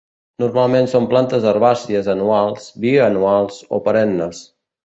Normalment són plantes herbàcies anuals, bianuals o perennes.